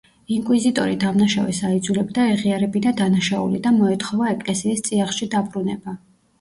ინკვიზიტორი დამნაშავეს აიძულებდა, ეღიარებინა დანაშაული და მოეთხოვა ეკლესიის წიაღში დაბრუნება.